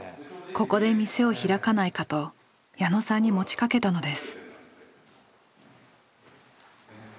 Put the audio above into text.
ここで店を開かないかと矢野さんに持ちかけたのです。